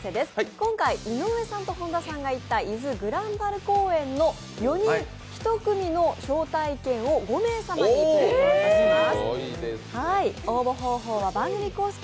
今回井上さんと本田さんが行った伊豆ぐらんぱる公園の４人１組の招待券を５名様にプレゼントします。